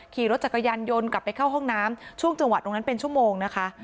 ขี่รถจักรยานยนต์กลับไปเข้าห้องน้ำช่วงจังหวะตรงนั้นเป็นชั่วโมงนะคะ